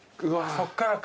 そっからか。